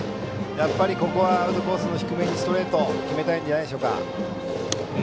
やっぱりここはアウトコースの低めにストレートを決めたいんじゃないですか。